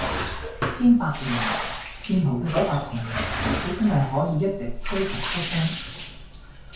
千百年來，騙徒嘅手法同言辭都真係可以一直推陳出新